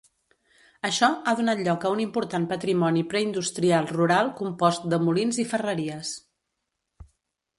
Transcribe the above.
Això, ha donat lloc a un important patrimoni preindustrial rural compost de molins i ferreries.